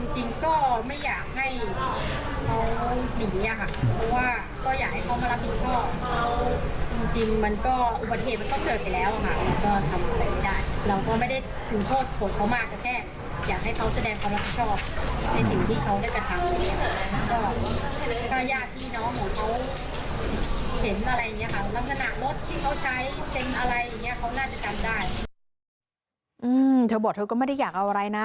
จริงก็ไม่อยากให้เขาหนีค่ะ